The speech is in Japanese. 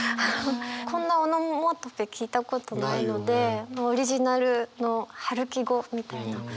こんなオノマトペ聞いたことないのでオリジナルの春樹語みたいな。